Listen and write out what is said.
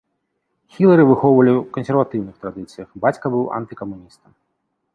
Хілары выхоўвалі ў кансерватыўных традыцыях, бацька быў антыкамуністам.